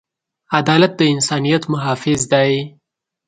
عدالت د انسانیت محافظ دی.